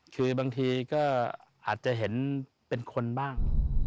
คุยบางทีก็อาจจะเห็นเป็นคนบ้าง